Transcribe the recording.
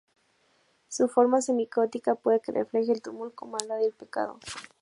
Su forma "semi-caótica" puede que refleje el tumulto de la maldad y el pecado.